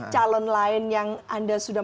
calon lain yang anda sudah